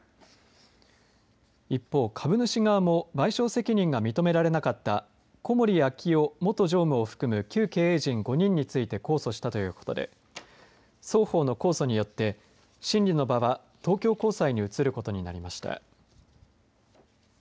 一方、株主側も賠償責任が認められなかった小森明生元常務を含む旧経営陣５人ついて控訴したということで双方の控訴によって審理の場は、東京高裁に移ることになりました。